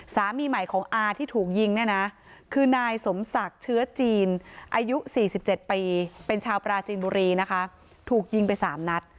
สามีใหม่ของอาที่ถูกยิงเนี่ยนะคือนายสมศักดิ์เชื้อจีนอายุ๔๗ปีเป็นชาวปราจีนบุรีนะคะถูกยิงไป๓นัด